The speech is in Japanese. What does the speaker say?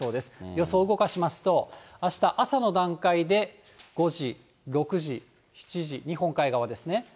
予想動かしますと、あした朝の段階で、５時、６時、７時、日本海側ですね。